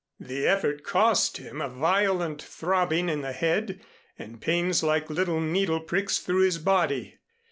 The effort cost him a violent throbbing in the head and pains like little needle pricks through his body.